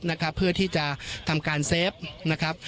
นะครับเพื่อที่จะทำการเซฟนะครับ